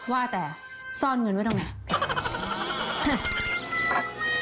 ว่าแต่ซ่อนเงินไว้ตรงไหน